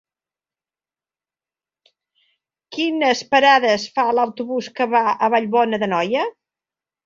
Quines parades fa l'autobús que va a Vallbona d'Anoia?